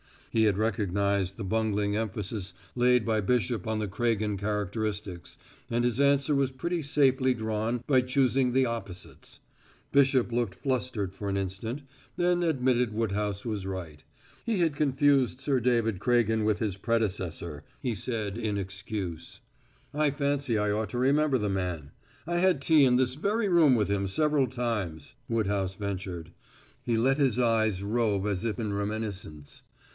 He had recognized the bungling emphasis laid by Bishop on the Craigen characteristics, and his answer was pretty safely drawn by choosing the opposites. Bishop looked flustered for an instant, then admitted Woodhouse was right. He had confused Sir David Craigen with his predecessor, he said in excuse. "I fancy I ought to remember the man. I had tea in this very room with him several times," Woodhouse ventured. He let his eyes rove as if in reminiscence.